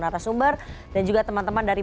narasumber dan juga teman teman dari